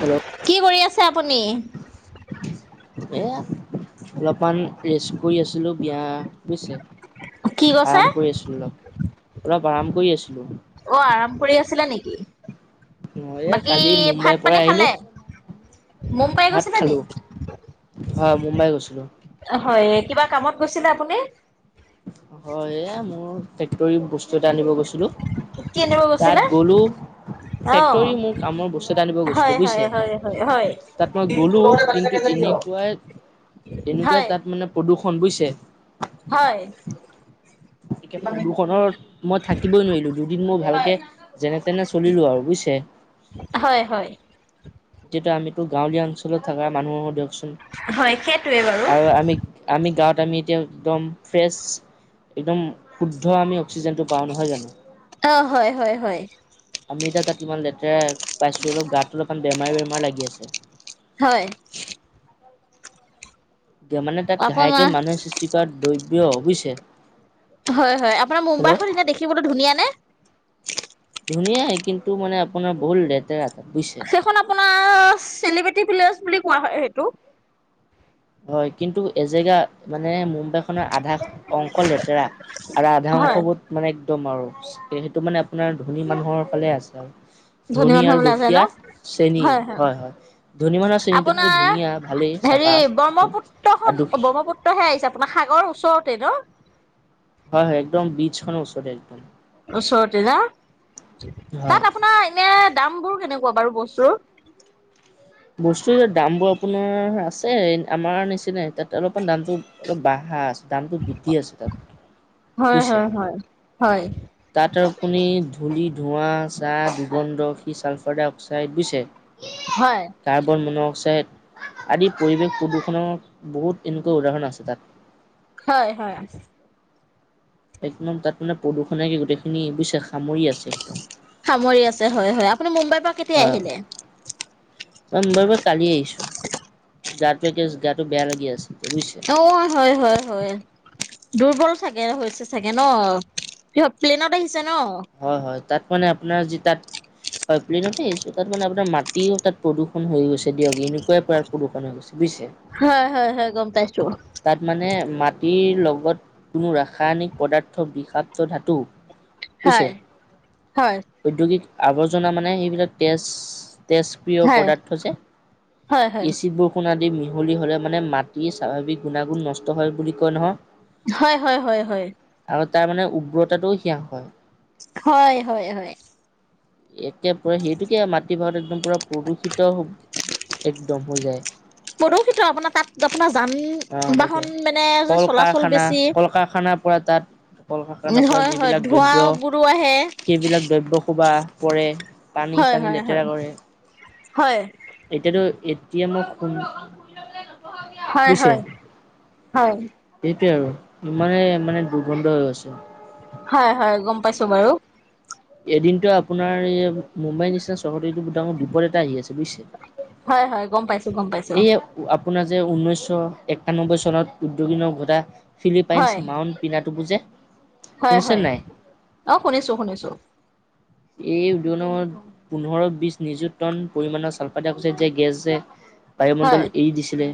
Hello কি কৰি আছে আপুনি এয়া অলপমান ৰেষ্ট কৰি আছিলোঁ বিয়া বুজিছে কি কৈছে? আৰাম কৰি আছিলোঁ অলপ অলপ আৰাম কৰি আছোঁ অ আৰাম কৰি আছিলা নেকি এ বাকী কালি মুম্বাইৰ ভাত পৰা পানী আহিলো খালে মম পাই ভাত গৈছিলা নি খালো হয় মুম্বাই গৈছিলো হয় কিবা কামত কৈছিলে আপুনি হয় এই মোৰ ফেক্টৰী বস্তু কি আনিব গৈছিলে? অ হয় হয় হয় হয় হয়। হয় হয় ্ত বুইছে হয় এতিয়া প্ৰদূষণত মই থাকিবই নোৱাৰিলো দুদিন মই ভালকে যেনে তেনে চলিলো আৰু বুজিছে। হয় হয় হয় এতিয়ো আমিতো গাঁৱলীয়া অঞ্চলত থকা মানুহৰ দিয় হয় সেইটোৱে বাৰু। আৰু আমি আমি গাঁৱত আমি এতিয়া একদম ফ্ৰছ একদম শুদ্ধ আমি [unintelligible] জানো অ হয় হয় হয় আমি তাতমান লতেৰা পাইছো অলপ গাত বেমাৰ বেমাৰ লাগি আছে হয় [unintelligible] মানে তাত আপোনাৰ ঘাইকে মানুহে সৃষ্টি কৰা দ্ৰব্য কিয় বুজিছে হয় হয় আপোনাৰ হেল্ল' মুম্বাইখন এয়া দেখিবতো ধুনীয়া নে ধুনীয়াই কিন্তু মানে আপোনাৰ বহুত লেতেৰা তাত বুজিছে সেইখন আপোনাৰ চেলিবেটি [unintelligible] বুলি কোৱা হয় সেইটো হয় কিন্তু এজেগা মানে মুম্বাই খনৰ আধা অংশ অকল লেতেৰা আৰু আধা অংশ হয় বোৰত মানে একদম আৰু সেইটো মানে আপোনাৰ ধনী মানুহৰ ফালে আছে আৰু ধনী মানুহ আৰু বোলে আছে ন দুখীয়া শ্ৰেণী হয় হয় ধনী মানুহৰ শ্ৰেণীটো আপোনাৰ ধুনীয়া ভালেই হেৰি চাফা চিকুণ আৰু ব্ৰহ্মপুত্ৰখন দুখী ব্ৰহ্মপুত্ৰ সে হিচাপে তোমা সাগৰ ওচৰতে ন হয় হয় একদম বীজখন ওচৰত একদম ওচৰতে না হয়। তাত আপোনাৰ এনে দাম বোৰ কেনে- কোৱা বাৰু বস্তু টো বস্তুৰ দামবোৰ আপোনাৰ আছে আমাৰ নিচিনাাই তাত অলপমান দামটো অলপ বাঢ়া আছে দামটো বৃদ্ধি আছে তাত হয় বুইছে হয় হয়। হয় তাত আৰু আপুনি ধূলি, ধোঁৱা, চাহ দুগন্ধ সি ছালফাৰ ডাই অক্সাইড গুছে হয় কাৰ্বন মন অক্সাইড আদি পৰিৱেশ প্ৰদূষণৰ বহুত এনেকুৱা উদাহৰণ আছে তাত হয় হয় একদম তাত মানে প্ৰদূষণে কি গোটেইখিনি বুইছা সামৰি আছে হয় হয় আপুনি মুম্বাইৰ পৰা কেত- তি আহিলে মুম্বাই পা কালি আহিছো গাটো একে গাটো বেয়া লাগি আছে বুজিছে। এওৱা হয় হয় হয় দুৰ্বল থাকে হৈছে চাগে ন কিহত প্লেনত আহি- ছে ন হয় হয় তাত মানে আপোনাৰ যে তাত হয় প্লেইনতে আহিছো তাত মানে আপোনাৰ মাটিও তাত প্ৰদূষণ হৈ গৈছে দিয়ক এনেকুৱাই পৰা প্ৰদূষণ হৈ গৈছে বুজিছে। হয় হয় হয় গম পাইছো তাত মানে মাটিৰ লগত কোনো ৰাসায়নিক পদাৰ্থ বিষাক্ত ধাতু বুইছে হয় হয় ঔদ্যোগিক আৱৰ্জনা মানে সেইবিলাক তেজ তেজপ্ৰিয় হয়। পদাৰ্থ যে হয় হয় হয় এচিড বৰষুণ আদি মিহলি হলে মানে মাটি স্বাভাৱিক গুণাগুণ নষ্ট হয় বুলি কয় নহয় হয় হয় হয় হয় আৰু তাৰ মানে উগ্ৰতাটোও সেয়া হয় হয় হয় হয় একে পৰে সেইটোকে মাটি ভাৰত একদম পুৰা প্ৰদূষিত একদম হৈ যায় প্ৰদূষিত আপোনাৰ তাত আপোনাৰ যান অ' তাকে বাহন মানে কল চলাচল কাৰখানা বেছি কল কাৰখানাৰ পৰা তাত কল কাৰখানাৰ পৰা হয় হয় যিবিলাক দ্ৰব্য ধোঁৱ বোৰো আহে সেইবিলাক দ্ৰব্য সোপা পৰে পানী হয় চানী হয় হয় লেতেৰা কৰে হয় এতিয়াতো এতিয়া মই শুন হয় হয় হয়। সেইটোৱে আৰু ইমানে মানে দুৰ্গন্ধ হৈ আছে। হয় হয় গম পাইছো বাৰু। এদিনতো আপোনাৰ এই মুম্বাই নিচিনা চহৰটো বিপদ এ আহি আছে বুজছে। হয় হয় গম পাইছো গম পাইছো। আপোনাৰ যে ঊনৈশ একানব্বৈ চনত উদ্যোগিক নক ঘটা হয় ফিলিপাইন্ছ মাউণ্ট পিনাটো বুজে। হয় শুনিছে হয় নাই? অ শুনিছো শুনিছো এই উদনত পোন্ধৰ বিশ নিযুক্ত টন পৰিমাণৰ চালফা ড্ৰাই অক্সাইড গেছ যে বায়ুমণ্ডল হয় এৰি দিছিলে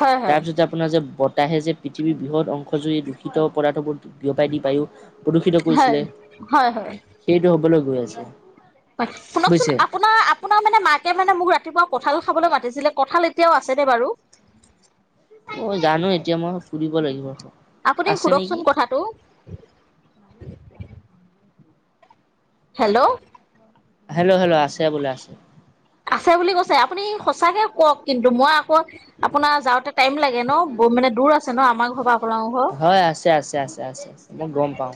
হয় হয় তাৰপিছতে আপোনাৰ যে আহে যে পৃথিৱীৰ বৃহৎ অংশ জুই এই দূষিত পদাৰ্থবোৰ বিয়পাই দি পায়ো প্ৰদূষিত হয় কৰিছিলে। হয় হয় সেইটো হ'ব লগে গৈ আছে। হয় শুনকচোন বুজিছে। আপোনাৰ আপোনাৰ মানে মাকে মানে মোক ৰাতিপুৱা কঁঠাল খাবলৈ মাতিছিলে। কঁঠাল এতিয়াও আছেনে বাৰু? অ জানো এতিয়া মই সুধিব লাগিব। আপুনি আছে নেকি? সোধকচোন কথাটো। হেল্ল' হেল্ল' হেল্ল' আছে বোলে আছে। আছে বুলি কৈছে আপুনি সঁচাকে কওক কিন্তু মই আকৌ আপোনাৰ যাওঁতে টাইম লাগে ন মানে দূৰ আছে ন আমাৰ ঘৰ বা আপোনালোকৰ ঘৰ হয় আছে আছে আছে আছে মই গম পাওঁ।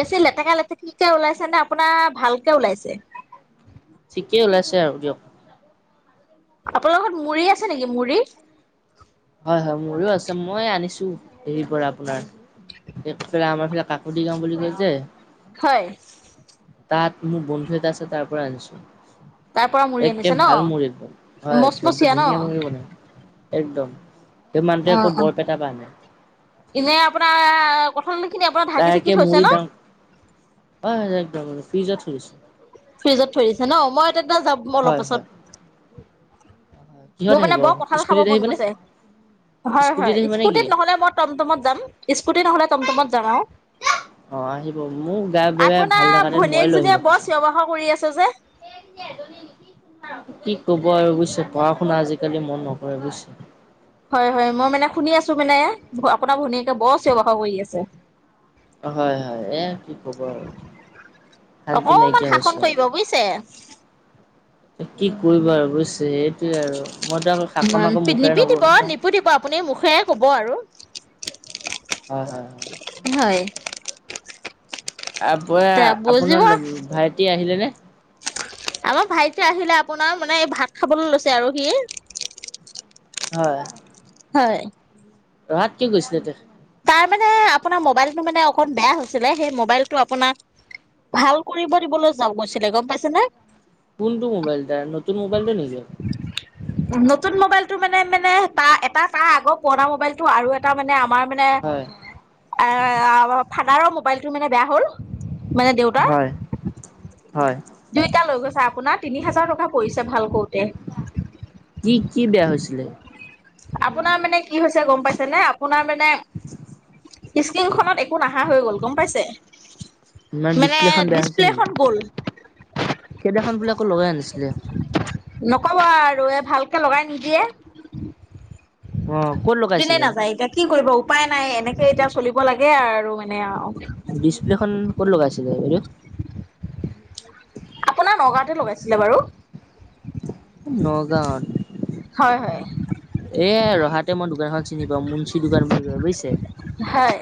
বেছি লে এ কালঠিকে ওলাইছে নে আপোনাৰ ভালকে ওলাইছে। ঠিকে ওলাইছে আৰু দিয়ক। আপোনাৰ লগত মুড়ি আছে নেকি মুড়ি। হয় হয় মুৰি ও আছে মই আনিছো হেৰি পৰা আপোনাৰ এইফালে আমাৰ ফ কাকতি গাও বুলি কয় যে। হয়। তাত মোৰ বন্ধু এটা আছে তাৰ পৰা আনিছো। তাৰ পৰা মুড়ি আনিছে একে ন ভাল মুৰী হয় বহুত মচমচীয়া ন ধুনীয়া মুৰি বনাই। একদম সেই মানুহটোৱে অ আকৌ অ বৰপেটা পৰা আনে এনেই আপোনাৰ কঁঠাল খিনি আপোনাৰ ঢাকি চাকি তাইকে থৈছে মুৰি ন দাওঁ অ ফিৰিজত থৈ দিছে। ফ্ৰিজত থৈ দিছে ন মই এটাত যাম অলপ হয় হয় পাছত। হয়, কিহত মোৰ মানে আহিব বৰ কঠাল খাব স্কুটিত মন আহিবনে? গৈছে। হয়, স্কুটিত হয়। আহিব নে কি? স্কুটিত নহলে মই টমটমত যাম, স্কুটিত নহলে টমটমত যাম। যায় অ, আহিব। মোক বেয়া বে ভাল লগা আপোনাৰ নাই, মইয়ে লৈ ভনীয়েকজনীয়ে আহিলোঁ বৰ চিঞৰ বাখৰ কৰি আছে যে। [unintelligible] ক'ব আৰু বুজিছে। পঢ়া শুনা আজিকালি মন নকৰে বুজছে। হয়, হয়। মই মানে শুনি আছো মানে আপোনাৰ ভনীয়েকে বৰ চিঞৰ- বাখৰ কৰি আছে। হয়, হয়। এ কি ক'ব আৰু শান্তি অকমান নাইকিয়া শাসন হৈছে আৰু। কৰিব বুজিছে কি কৰিবা আৰু বুইছে সেইটোয়ে আৰু। মইতো আকৌ শাসন আকৌ মুখেৰে নকৰোঁ নিপিটিব নহয় নিপু দিব আপুনি মুখেৰে কব আৰু। হয় হয়। হয় আ পৰা তে বুজিব আপোনাৰ লোক ভাইটি আহিলে নে? আমাৰ ভাইটি আহিলে। আপোনাৰ মানে ভাত খাবলৈ লৈছে আৰু সি। হয়। হয়। ৰহাত কি গৈছিলে তে তাৰ মানে আপোনাৰ মোবাইলটো মানে অকন বেয়া হৈছিলে। সেই মোবাইলটো আপোনাক ভাল কৰিব দিবলৈ যাওঁ গৈছিলে। গম পাইছে নে? কোনটো মোবাইল তাৰ? নতুন মোবাইলটো নেকি? নতুন মোবাইলটো মানে মানে তাৰ এটা তাহ আগৰ পুৰণা মোবাইলটো আৰু এটা মানে আমাৰ মানে হয় এ ফাদৰৰ মু মোবাইলটো মানে বেয়া হ'ল। মানে দেউতাৰ হয়, হয়। দুইটা লৈ গৈছে আপোনাৰ তিনি হাজাৰ টকা পৰিছে ভাল কি কতে কি বেয়া হৈছিলে? আপোনাৰ মানে কি হৈছে গম পাইছে নে আপোনাৰ মানে স্ক্ৰীনখনত একো নাহা হৈ গ'ল গম পাইছে? মাৰ মানে ডিচপ্লেখন বেয়া হৈছে ডিচপ্লেখন নেকি? গ'ল সেইদিনাখন বোলে আকৌ লগাই আনিছিলে। নকবা আৰু এই ভালকে লগাই নিদিয়ে। অ ক'ত দুদিনে লগাইছিলে নাযায় এতিয়া কি কৰিব উপায় নাই এনেকে এতিয়া চলিব লাগে আৰু। মানে আৰু ডিছপ্লেখন ক'ত লগাইছিল? [unintelligible] আপোনাৰ নগাওঁতে লগাইছিলে বাৰু। নগাঁৱত? হয় হয়। এ ৰহাত ততে মই দোকানখন চিনি পাওঁ, মুন্চি দোকান বুলি প বুইছে। হয়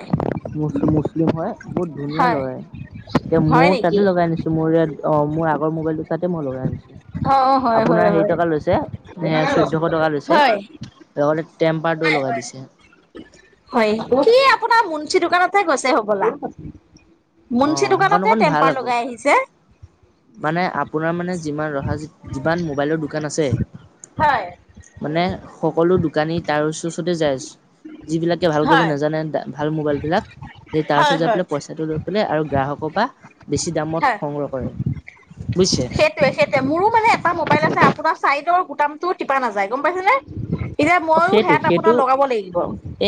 মুছলিম হয় বহুত ধুনীয়া হয় লৰা এতিয়া হয় মোৰ তাতে নেকি লগাই আনিছো মোৰ ইয়াত অ মোৰ আগৰ মোবাইলটো ততে মই লগাই আনিছো। অ হয় আপোনাৰ হয় হেৰি হয় টকা লৈছে এ চৈধ্যশ টকা [unintelligible] লৈছে হয় [unintelligible] লগাই দিছে। হয় কি আপোনাৰ মুন চি দোকানতেহে গৈছে হ'বলা? অ মুন্ঞ্চি সেইখন দোকানতে অকণ ভাল টেম্পাৰ আকৌ লগাই আহিছে। মানে আ আপোনাৰ মানে যিমান ৰহা য কিমান মোবাইলৰ দোকান আছে হয় মানে সকলো দোকানী তাৰ ওচৰচতে যাই আছে। যি বিলাকে ভালক হয় নাজানে ভাল মোবাইল বিলাক, সেই তাৰ হয় ওছৰত যাই হয়। পেলাই পইচাটো লৈ [unintelligible] আৰু গ্ৰাহকৰ পা হয় বুজিছে সেইটোয়ে সেইটোৱে। মোৰো মানে এটা মোবাইল আছে আপোনাৰ চ গুটামটো টিপা নাযায় গম পাইছে নে? অ সেইটো সেইটো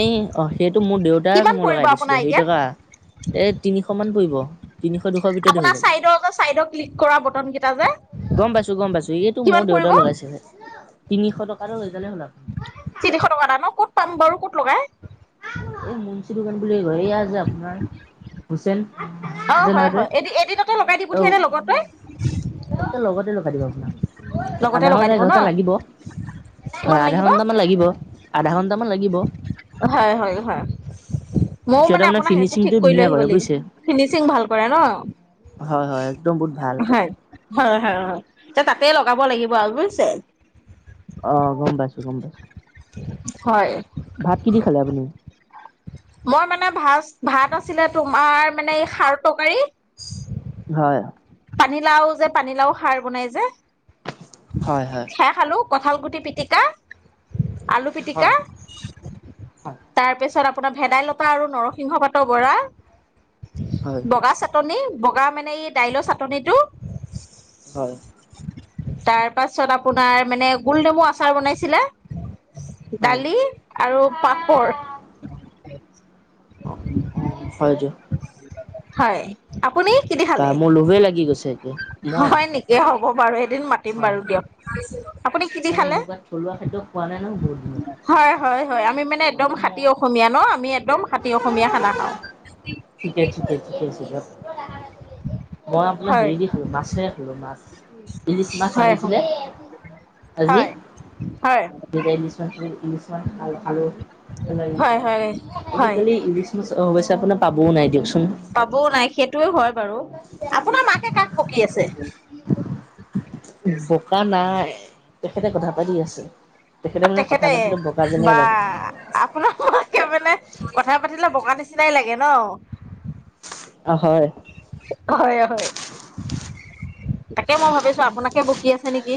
এই অ সেইটো মোৰ দেউতা তাক কিমান মই পৰিব লগাই দিছিলো আপোনাৰ সেই আইডিয়াত? টকা এই তিনিশ। পৰিব তিনিশ দুশৰ ভিততে হৈ আপোনাৰ যাব। চাইডৰ যে চাইডৰ ক্লিক কৰা বটন কেইটা যে গম পাইছো গম পাইছো, এইটো মোৰ কিমান দেউতা পৰিব লগাইছে। তিনিশ টকাৰো হৈ যালে হ'ল আৰু। তিনিশ টকা দাম ন ক'ত পাম বাৰু ক'ত লগাই? [unintelligible] এইয়া যে আপোনাৰ হুছেইন। অ যে হয় নামটোৱে হয়, এদিন এদিনতে লগাই দি অ পঠিইয়াই নে লগতে? অ [inaudible] লগতে আধা লগাই ঘন্টা দিব ন এঘন্টা লাগিব। হয় কিমান আধা লাগিব? ঘন্টামান লাগিব, আধা ঘন্টামান লাগিব। হয় হয় হয়। ময়ো সিহঁতে মানে আপোনাৰ সেইটো ঠিক ফিনিচিংটো কৰি লৈ ধুনীয়া আহিব কৰে লাগিব। বুজিছে ফিনিচিং ভাল কৰে ন? হয় হয় একদম বহুত ভাল হয় হয় হয় তাতে লগ কব লাগিব আৰু বুইছে। অ গম পাইছো গম পাইছো। হয়। ভাত কি দি খালে আপুনি? মই মানে ভাত ভাত আছিলে তোমাৰ মানে এই খাৰ তৰকাৰী হয়! পানীলাও যে পানীলাও সাৰ বনাই যে, হয় হয় খে খালো। কঁঠালগুটি পিটিকা। লু পিক- হয় হয় আপোনাৰ ভেদাইলতা আৰু নৰসিংহ পাতৰ বৰা। হয় বগা চাটনি বগা মানে এই দাইলৰ চ নাটনিটো হয়! তাৰ পাছত আপোনাৰ মানে গোল নমু আচাৰ বনাইছিলা। হয় দালি আৰু পাপৰ উ! অ হয় যো হয়। আপুনি কিন খালে? ঠিকছে। াকে মই হয় হ' মানে এনেকুৱা থলুৱা খাদ্য খোৱা বাৰু নাই নহয় বহুত দিনত খ একদম হাতী মই অসমীয়া ন আমি একদম হাতী অসমীয়া খানা খাওঁ। ঠিকে ঠিকে ঠিকে আছে দিয়ক মই আপোনাৰ হয় হেৰি দি খালো মাছে খালো মাছ। ইিছ মাছ হয় আনিছিলে আজি। হয় হয় নিজ ইংলছ ইংলছ ঠ হয় হয় হয় আজিকালি ইলিছ মাছ অশে আপোনাৰ পাবও নাই দিয়কচোন। বাৰ আপোনাৰ মাকে কাক পকি আছে। বোকা নাই তেখেতে কথা পাতি আছে। মানে কথা তেখেতে পাতিলে বগা যেনে বা লাগে আপোনাৰকে মানে কথা পাতি তিলে বগা নিচিনাই লাগে ন। অ হয়। হয় হয় তাকে মই ভাবিছো আপোনাকে বকি আছে নেকি?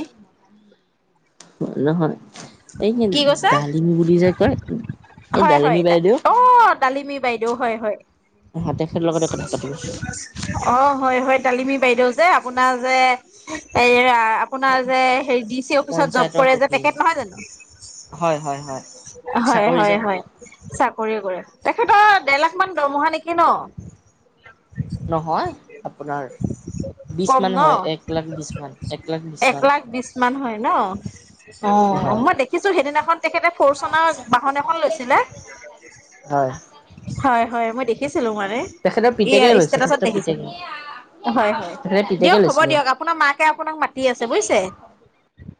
নহয় এই কি কৈছে ডালিমি বুলি যে কয়, এই হয় হয় ডালিমি বাইদেউ অ ডালিমী বাইদেউ হয় হয় হাতে খাত লগতে কথা পাতিব আছ। অ হয় হয় তালিমি বাইদেউ যে আপোনাৰ যে এইৰা আপোনাৰ যে ডি চি অফিচত জপ যে পঞ্চায়তৰ কৰে সখী তেখেত যে নহয় জানো। হয় হয় হয়। চাকৰি যে কৰে তেখেতৰ ডেৰ লাখ মান দৰমহা নেকি ন? নহয় আপোনাৰ কম বিছ মান ন হয় এক লাখ বিছ মান এক লাখ বিছ মান। লাখ বিশ মান হয় ন অ হয় মই দেখিছো সেইদিনাখন তেখেতে ফৰ চনৰ বাহন এখন লৈছিলে হয়। হয়। হয় মই দেখিছ তেখেতৰ পিতেকে লৈছে। তেখেতৰ দেখিছিলো পিতেকে হয় হয় তেখেতে দিয়ক পিতেকে হ'ব লৈছিলে। দিয়ক আপোনাৰ মাকে আপোনাক মাতি আছে বুজিছে।